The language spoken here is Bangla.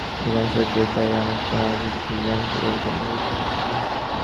অধিকাংশ ডেটাই অনেকটা মাঝের দিকে ঘনীভূত বা কেন্দ্রভুত হয়ে থাকে।